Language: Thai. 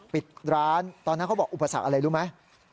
ปิดร้านตอนนั้นเขาบอกอุปสรรคอะไรรู้ไหม